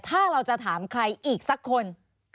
ถ้าเราจะถามใครอีกสักคน